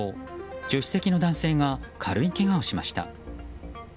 助手席の男性が軽いけがをしました。